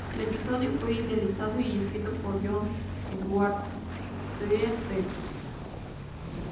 El episodio fue ideado y escrito por John Swartzwelder.